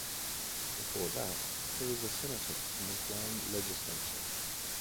Before that, he was a senator in the Guam Legislature.